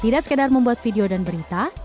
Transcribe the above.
tidak sekedar membuat video dan berita